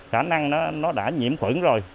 khả năng nó đã nhiễm khuẩn rồi